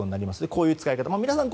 こういう使い方皆さん